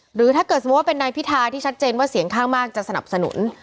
หรือถ้าเกิดสมมุติว่าเป็นนายพิธาที่ชัดเจนว่าเสียงข้างมากจะสนับสนุน